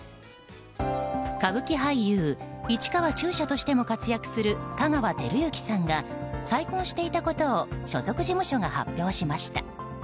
歌舞伎俳優・市川中車としても活躍する香川照之さんが再婚していたことを所属事務所が発表しました。